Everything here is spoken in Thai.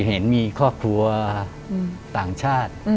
เห็นมีครอบครัวต่างชาติ